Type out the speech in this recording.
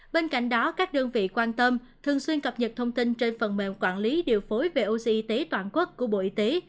bên cạnh đó các đơn vị quan tâm thường xuyên cập nhật thông tin trên phần mềm quản lý điều phối về oxy toàn quốc của bộ y tế